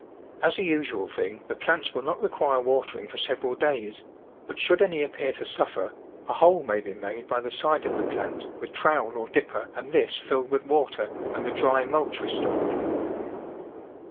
As a usual thing the plants will not re quire watering for several days, but should any appear to suffer, a hole may be made by the side of the plant with trowel or dipper and this filled with water and the dry mulch restored.